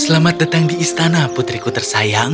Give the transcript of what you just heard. selamat datang di istana putriku tersayang